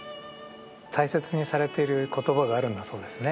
大切にされている言葉があるんだそうですね。